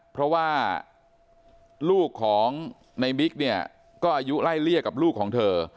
เพราะว่าลูกของในบิ๊กเนี่ยก็อายุไล่เลี่ยกับลูกของเธอ